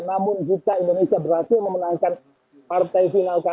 namun jika indonesia berhasil memenangkannya